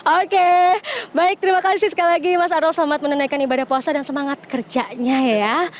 oke baik terima kasih sekali lagi mas arel selamat menunaikan ibadah puasa dan semangat kerjanya ya